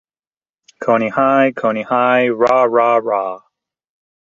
Cony High, Cony High, rah, rah, rah!